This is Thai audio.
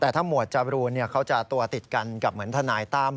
แต่ถ้าหมวดจบรูนเขาจะตัวติดกันกับเหมือนทนายตั้ม